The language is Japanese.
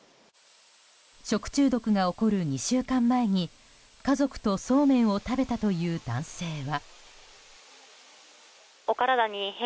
食中毒が起こる２週間前に家族とそうめんを食べたという男性は。